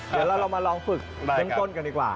เดี๋ยวเรามาลองฝึกต้นกันดีกว่า